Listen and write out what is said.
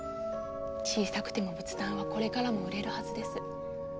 小さくても仏壇はこれからも売れるはずです。